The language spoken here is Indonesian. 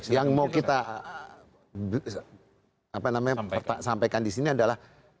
yang mau kita sampaikan disini adalah